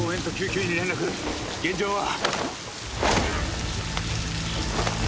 「現場は」